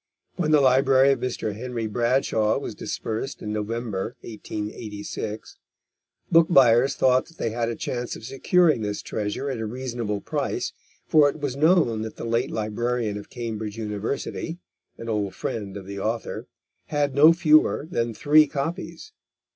When the library of Mr. Henry Bradshaw was dispersed in November 1886, book buyers thought that they had a chance of securing this treasure at a reasonable price, for it was known that the late Librarian of Cambridge University, an old friend of the author, had no fewer than three copies.